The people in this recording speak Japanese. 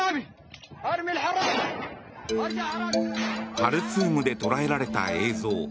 ハルツームで捉えられた映像。